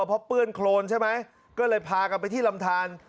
เพราะเปื้อนโครนใช่ไหมก็เลยพากันไปที่ลำทาน